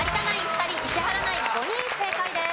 ２人石原ナイン５人正解です。